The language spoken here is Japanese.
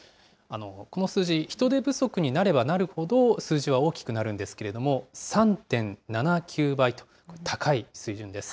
この数字、人手不足になればなるほど、数字は大きくなるんですけれども、３．７９倍と、高い水準です。